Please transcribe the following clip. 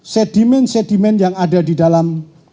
sedimen sedimen yang ada di dalam